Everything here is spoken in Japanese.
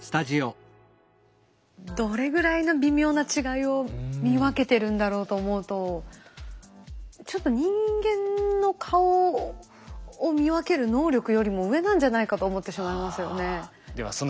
どれぐらいの微妙な違いを見分けてるんだろうと思うとちょっと人間の顔を見分ける能力よりも上なんじゃないかと思ってしまいますよね。